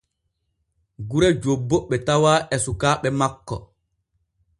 Gure jobbo ɓe tawa e sukaaɓe makko.